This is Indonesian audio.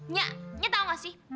nya nya tau nggak sih